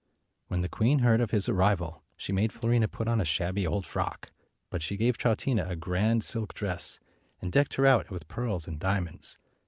When the queen heard of his arrival, she made Fiorina put on a shabby old frock; but she gave Troutina a grand silk dress, and decked her out with pearls and diamonds.